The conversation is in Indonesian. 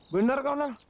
benar kak ucok